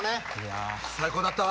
最高だったわ。